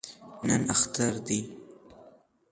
نن اختر دی